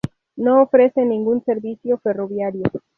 No ofrece ningún servicio ferroviario.